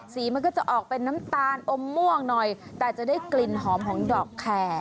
มันก็จะออกเป็นน้ำตาลอมม่วงหน่อยแต่จะได้กลิ่นหอมของดอกแคร์